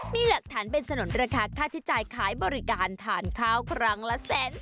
มีหลักฐานเป็นสนุนราคาค่าใช้จ่ายขายบริการทานข้าวครั้งละ๑๔๐